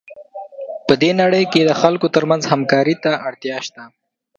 په دې نړۍ کې د خلکو ترمنځ همکارۍ ته اړتیا شته.